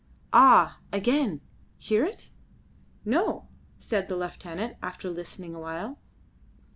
Ah! Again! Hear it?" "No," said the lieutenant, after listening awhile.